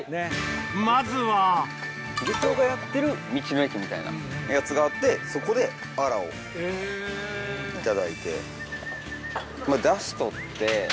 まずは漁協がやってる道の駅みたいなやつがあってそこでアラを頂いて。